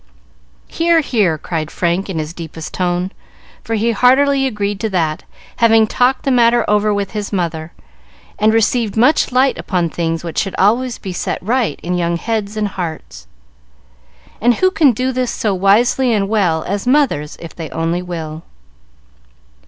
"Hear! hear!" cried Frank, in his deepest tone, for he heartily agreed to that, having talked the matter over with his mother, and received much light upon things which should always be set right in young heads and hearts. And who can do this so wisely and well as mothers, if they only will?